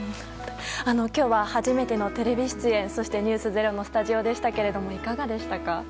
今日は初めてのテレビ出演そして「ｎｅｗｓｚｅｒｏ」のスタジオでしたけどもいかがでしたか？